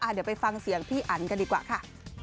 เดี๋ยวไปฟังเสียงพี่อันกันดีกว่าค่ะ